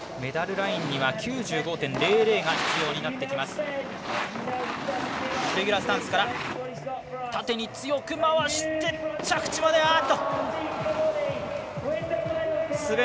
メダルラインには９５．００が必要になってきます。